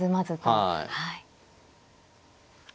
はい。